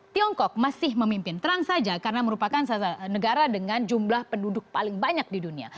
tiongkok masih memimpin terang saja karena merupakan negara dengan jumlah penduduk paling banyak di dunia